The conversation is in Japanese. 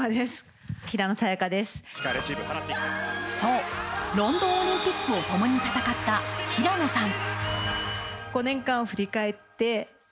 そう、ロンドンオリンピックをともに戦った平野さん。